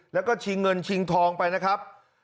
แล้วก็ชิงเงินชิงทองไปนะครับ